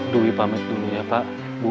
dwi pamit dulu ya pak